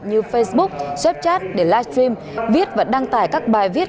như facebook zapchat để live stream viết và đăng tải các bài viết